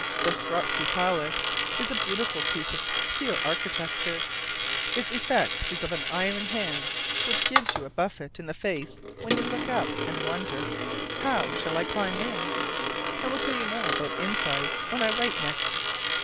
The Strozzi Palace is a beautiful piece of street architecture; its effect is of an iron hand which gives you a buffet in the face when you look up and wonder how shall I climb in? I will tell you more about insides when I write next.